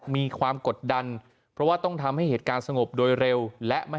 มีความกดดันเพราะว่าต้องทำให้เหตุการณ์สงบโดยเร็วและไม่